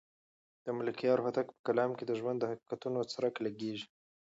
د ملکیار هوتک په کلام کې د ژوند د حقیقتونو څرک لګېږي.